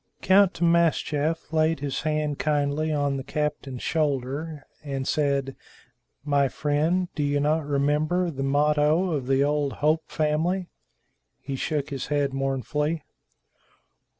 Count Timascheff laid his hand kindly on the captain's shoulder, and said, "My friend, do you not remember the motto of the old Hope family?" He shook his head mournfully.